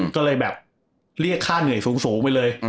ก็เลยแบบเรียกค่าเหนื่อยสูงไปเลย